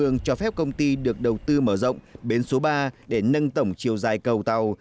đường cho phép công ty được đầu tư mở rộng bến số ba để nâng tổng chiều dài cầu tàu